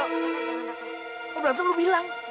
mau berantem lu bilang